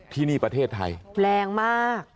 ที่นี่ประเทศไทยแรงมาก